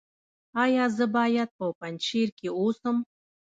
ایا زه باید په پنجشیر کې اوسم؟